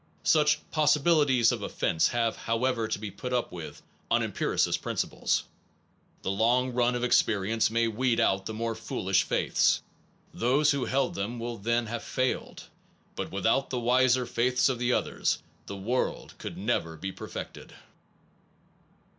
Such possibilities of offense have, however, to be put up with on empiricist principles. The long run of experience may weed out the more foolish faiths. Those who held them will then have failed: but without the wiser faiths of the others the world could never be perfected.